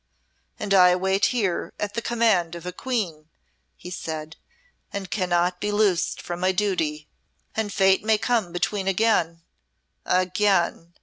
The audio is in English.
"And I wait here at the command of a Queen," he said, "and cannot be loosed from my duty. And Fate may come between again again!"